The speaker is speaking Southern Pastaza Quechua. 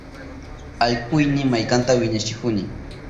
Allkuyni maykanta wiñachihuni.